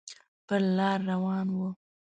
پر لار روان و.